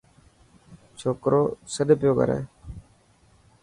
ڇوڪرو سڏ پيو ڪري.